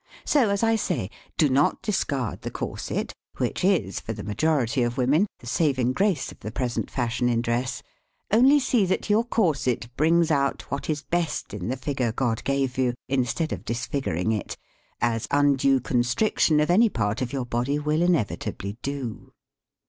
So, as I say, do not discard the corset, which is, for the majority of wom en, the saving grace of the present fashion in dress; only see that your corset brings out what is best in the figure God gave you, instead of disfiguring it, as undue constriction of any part of your body will inevitably do.